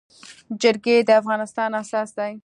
جرګي د افغانستان اساس دی.